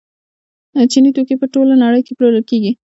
چیني توکي په ټوله نړۍ کې پلورل کیږي.